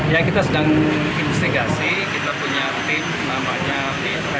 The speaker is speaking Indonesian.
ya kita sedang melakukan penyelamatan